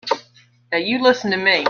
Now you listen to me.